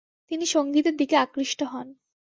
তিনি সঙ্গীতের দিকে আকৃষ্ট হন।